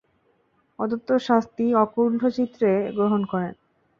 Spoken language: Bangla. প্রদত্ত শাস্তি অকুণ্ঠচিত্তে গ্রহণ করেন।